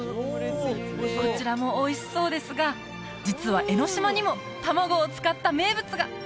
こちらもおいしそうですが実は江の島にも卵を使った名物が！